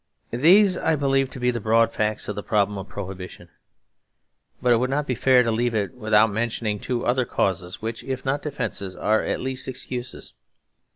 These I believe to be the broad facts of the problem of Prohibition; but it would not be fair to leave it without mentioning two other causes which, if not defences, are at least excuses.